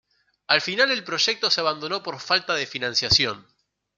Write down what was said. Al final el proyecto se abandonó por falta de financiación.